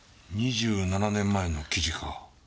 ２７年前の記事か。